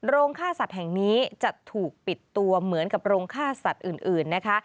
ฆ่าสัตว์แห่งนี้จะถูกปิดตัวเหมือนกับโรงฆ่าสัตว์อื่นนะคะ